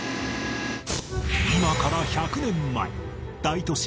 今から１００年前大都市